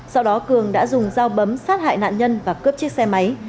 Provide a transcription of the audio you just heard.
sau đó cường đã dùng dao bấm sát hại nạn nhân và cướp chiếc xe máy